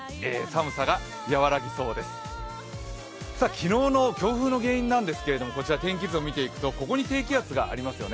昨日の強風の原因なんですけれども、こちら天気図を見ていくとここに低気圧がありますよね